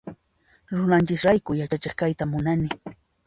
Runanchis rayku yachachiq kayta munani.